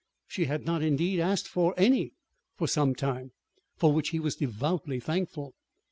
She had not, indeed, asked for any for some time for which he was devoutly thankful.